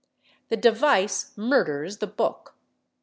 The device murders the book.